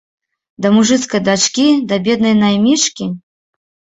Да мужыцкай дачкі, да беднай наймічкі?